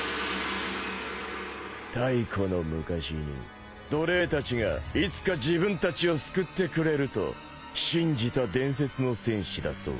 太古の昔に奴隷たちがいつか自分たちを救ってくれると信じた伝説の戦士だそうだ。